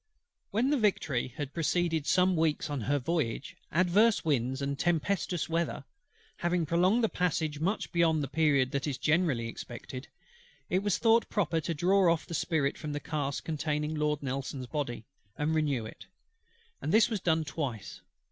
When the Victory had proceeded some weeks on her voyage, adverse winds and tempestuous weather having prolonged the passage much beyond the period that is generally expected, it was thought proper to draw off the spirit from the cask containing Lord NELSON'S Body, and renew it; and this was done twice.